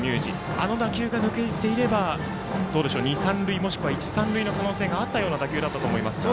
あの打球が抜けていれば二塁三塁、もしくは一塁三塁の可能性があったような場面だと思いますが。